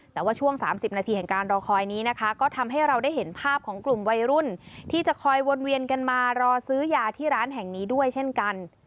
แต่ว่าช่วง๓๐นาทีแห่งการรอคอยนี้นะคะก็ทำให้เราได้เห็นภาพของกลุ่มวัยรุ่นที่จะคอยวนเวียนกันมารอซื้อยาที่ร้านแห่งนี้ด้วยเช่นกัน